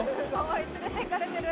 連れていかれてる！